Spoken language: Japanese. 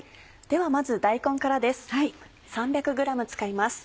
ではまず大根からです。